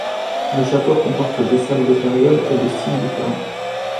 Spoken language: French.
Le château comporte des salles de périodes et de styles différents.